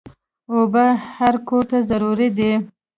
اوبه هر کور ته ضروري دي.